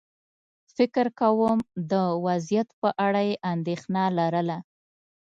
فکر کووم د وضعيت په اړه یې اندېښنه لرله.